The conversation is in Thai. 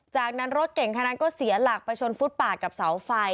จากนั้นรถเก่งคันนั้นก็เสียหลักไปชนฟุตปาดกับเสาไฟ